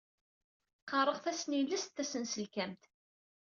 Qqareɣ tasnilest tasenselkamt.